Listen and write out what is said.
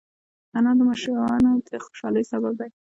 انار د ماشومانو د خوشحالۍ سبب دی.